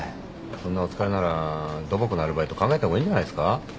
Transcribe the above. そんなお疲れなら土木のアルバイト考えた方がいいんじゃないすか？